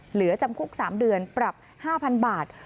เหลือจำคุก๓เดือนปรับ๕๐๐๐บาท